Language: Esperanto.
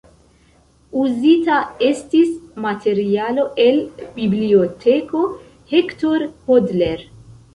Uzita estis materialo el Biblioteko Hector Hodler.